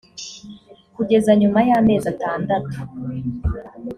kageze nyuma y’amezi atandatu